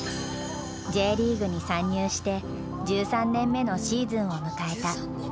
Ｊリーグに参入して１３年目のシーズンを迎えた。